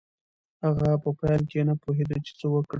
هغه په پیل کې نه پوهېده چې څه وکړي.